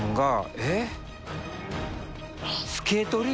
えっ？